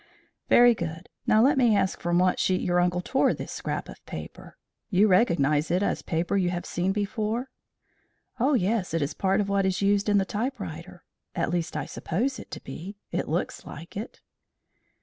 "Very good. Now let me ask from what sheet your uncle tore this scrap of paper? You recognise it as paper you have seen before?" "O, yes, it is part of what is used in the typewriter. At least I suppose it to be. It looks like it."